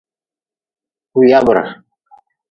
Kuyabre.